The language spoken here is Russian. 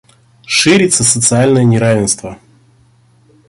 Ширится социальное неравенство.